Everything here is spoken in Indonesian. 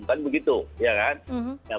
kan begitu ya kan